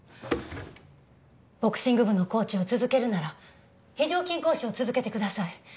ボクシング部のコーチを続けるなら非常勤講師を続けてください。